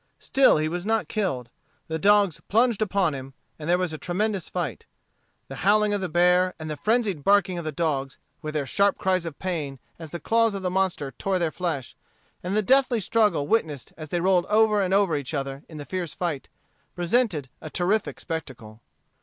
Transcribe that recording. Still he was not killed. The dogs plunged upon him, and there was a tremendous fight. The howling of the bear, and the frenzied barking of the dogs, with their sharp cries of pain as the claws of the monster tore their flesh, and the deathly struggle witnessed as they rolled over and over each other in the fierce fight, presented a terrific spectacle.